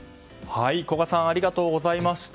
古賀さんありがとうございました。